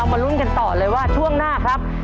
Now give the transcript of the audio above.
มันลุ้นดีกว่าต่อเลยว่าช่วงหน้าครับ